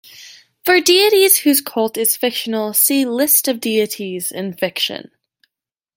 For deities whose cult is fictional see List of deities in fiction.